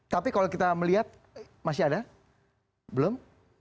tapi kalau kita melihat masih ada belum